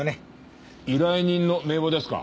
依頼人の名簿ですか？